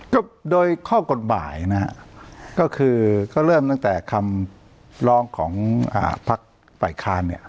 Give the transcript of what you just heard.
ก็โดยข้อกฎหมายนะฮะก็คือก็เริ่มตั้งแต่คำร้องของพักฝ่ายค้านเนี่ย